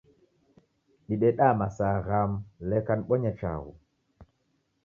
Dideda masaa ghamu leka nibonye chaghu